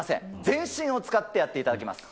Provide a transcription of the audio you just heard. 全身を使ってやっていただきます。